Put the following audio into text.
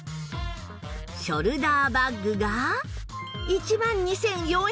ショルダーバッグが１万２４００円